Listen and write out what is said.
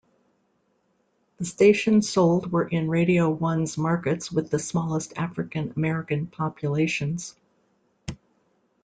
The stations sold were in Radio One's markets with the smallest African American populations.